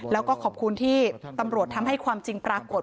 แล้วก็ขอบคุณที่ตำรวจทำให้ความจริงปรากฏ